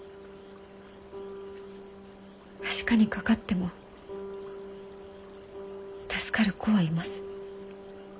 麻疹にかかっても助かる子はいます。